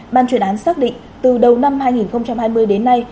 ban chuyển án xác định từ đầu năm hai nghìn hai mươi đến nay